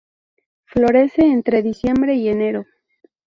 Florece entre diciembre y enero.